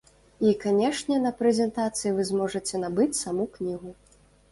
І, канешне, на прэзентацыі вы зможаце набыць саму кнігу.